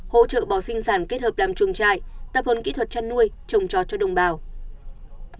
hỗ trợ bò sinh sản kết hợp đám chuồng trại tập hôn kỹ thuật chăn nuôi trồng trò cho đồng bào